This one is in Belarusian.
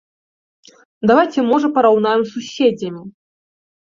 Давайце можа параўнаем з суседзямі.